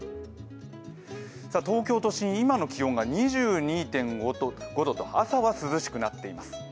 東京都心、今の気温が２２．５度と朝は涼しくなっています。